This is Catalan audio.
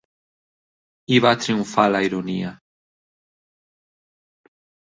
i va triomfar la ironia…